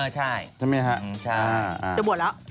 ใช่ท่านเมียฮะจะบวชละ